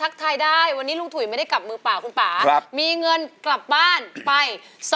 คุณฟองทุยเยอะจากกันไป